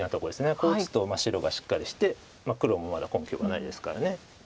こう打つと白がしっかりして黒もまだ根拠がないですから。